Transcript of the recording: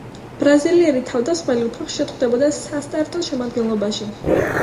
ბრაზილიელი თავდამსხმელი უფრო ხშირად ხვდებოდა სასტარტო შემადგენლობაში.